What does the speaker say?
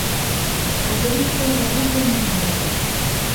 La provincia era rica en minerales.